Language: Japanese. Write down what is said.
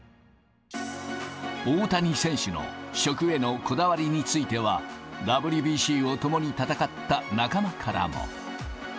大谷選手の食へのこだわりについては、ＷＢＣを共に戦った仲間からも。